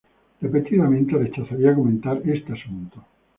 Repetidamente rechazaría comentar este asunto.